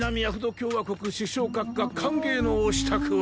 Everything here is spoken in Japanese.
共和国首相閣下歓迎のお支度を。